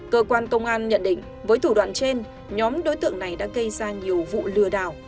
cơ quan công an nhận định với thủ đoạn trên nhóm đối tượng này đã gây ra nhiều vụ lừa đảo